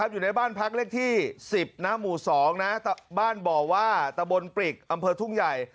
อยู่ในบ้านพักเลขที่๑๐หมู่๒บ้านบ่อว่าตะบนปริกอำเภอทุ่งใหญ่